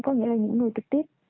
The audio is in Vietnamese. có nghĩa là những người trực tiếp